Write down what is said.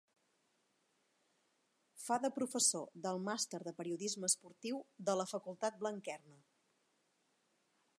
Fa de professor del màster de periodisme esportiu de la Facultat Blanquerna.